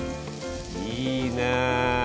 いいね。